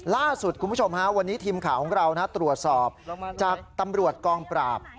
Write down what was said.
ล่าสุดคุณผู้ชมฮะวันนี้ทีมข่าวของเราตรวจสอบจากตำรวจกองปราบ